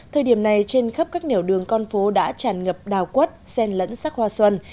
thời điểm này trên khắp các nẻo đường con phố đã tràn ngập đào quất sen lẫn sắc hoa xuân